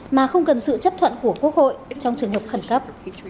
mà không cần sự chấp thuận của quốc hội trong trường hợp khẩn cấp